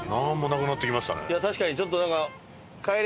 いや確かにちょっとなんか。